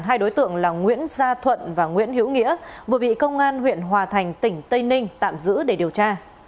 hai đối tượng là nguyễn gia thuận và nguyễn hữu nghĩa vừa bị công an huyện hòa thành tỉnh tây ninh tạm giữ để điều tra